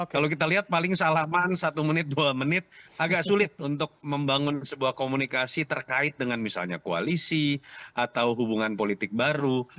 kalau kita lihat paling salaman satu menit dua menit agak sulit untuk membangun sebuah komunikasi terkait dengan misalnya koalisi atau hubungan politik baru